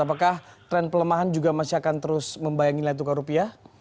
apakah tren pelemahan juga masih akan terus membayangi nilai tukar rupiah